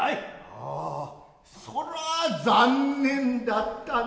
ああそら残念だったな。